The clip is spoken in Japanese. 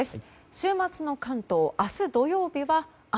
週末の関東、明日土曜日は雨。